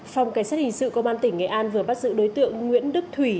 phòng cảnh sát hình sự công an tỉnh nghệ an vừa bắt giữ đối tượng nguyễn đức thủy